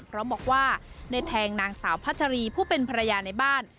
พร้อมบอกว่าได้แทงนางสาวพัชรีผู้เป็นภรรยาในบ้าน